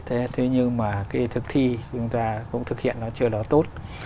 thế nhưng mà thực thi chúng ta cũng thực hiện chưa đó tốt